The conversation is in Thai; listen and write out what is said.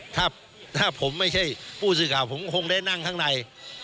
ถ้าผมไม่ใช่ผู้สื่อข่าวผมคงได้นั่งข้างใน